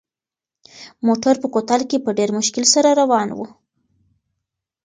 موټر په کوتل کې په ډېر مشکل سره روان و.